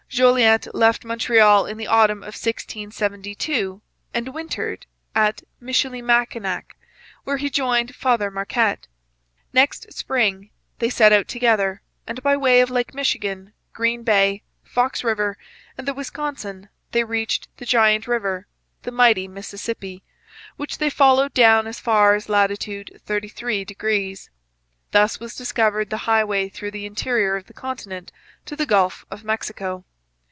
Jolliet left Montreal in the autumn of 1672 and wintered at Michilimackinac, where he joined Father Marquette. Next spring they set out together, and by way of Lake Michigan, Green Bay, Fox river, and the Wisconsin they reached the giant river, the mighty Mississippi, which they followed down as far as latitude 33 degrees. Thus was discovered the highway through the interior of the continent to the Gulf of Mexico.